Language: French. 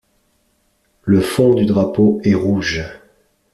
Le fond du drapeau est rouge.